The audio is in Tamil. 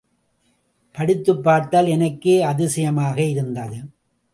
படித்துப் பார்த்தால் எனக்கே அதிசயமாக இருந்தது.